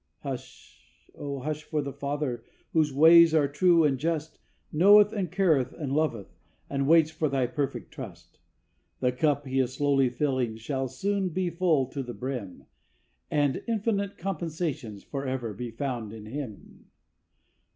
Hush! oh, hush! for the Father, whose ways are true and just, Knoweth and careth and loveth, and waits for thy perfect trust; The cup He is slowly filling shall soon be full to the brim, And infinite compensations forever be found in Him.